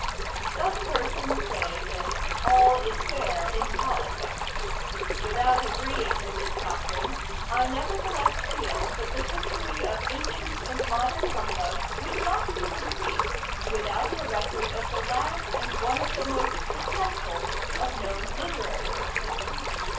Some persons say that "all is fair in politics." Without agreeing with this doctrine, I nevertheless feel that the history of Ancient and Modern Humbugs would not be complete without a record of the last and one of the most successful of known literary hoaxes.